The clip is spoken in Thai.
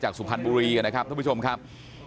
สุพรรณบุรีนะครับท่านผู้ชมครับ